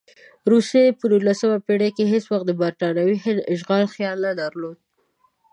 روسیې په نولسمه پېړۍ کې هېڅ وخت د برټانوي هند اشغال خیال نه درلود.